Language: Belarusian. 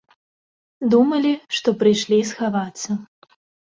Думалі, што прыйшлі схавацца.